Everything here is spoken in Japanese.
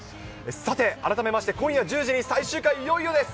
さて、改めまして、今夜１０時に最終回、いよいよです。